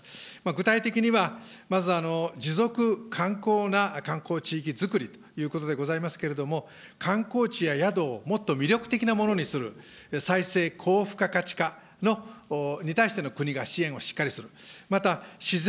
具体的には、まず持続可能な観光地域づくりということでございますけれども、観光地や宿をもっと魅力的なものにする、さいせい高付加価値化に対して国が支援をしっかりする。